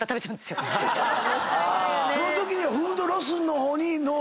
そのときにはフードロスの方に脳が行くの。